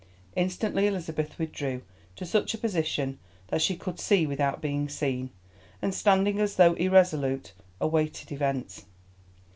Instantly Elizabeth withdrew to such a position that she could see without being seen, and, standing as though irresolute, awaited events.